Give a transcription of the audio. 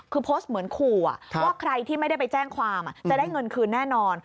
คือโพสต์เหมือนขู่ว่าใครที่ไม่ได้ไปแจ้งความจะได้เงินคืนแน่นอน